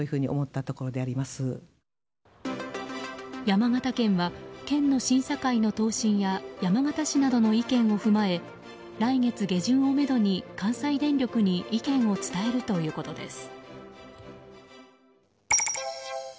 山形県は、県の審査会の答申や山県市などの意見を踏まえ来月下旬をめどに関西電力に意見を伝えるということです。